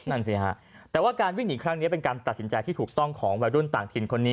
นั่นสิฮะแต่ว่าการวิ่งหนีครั้งนี้เป็นการตัดสินใจที่ถูกต้องของวัยรุ่นต่างถิ่นคนนี้